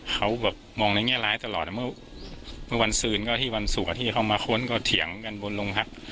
เขาแบบมองในแง่ร้ายตลอดเมื่อวันซืนก็ที่วันศุกร์ที่จะเข้ามาค้นก็เถียงกันบนโรงพัก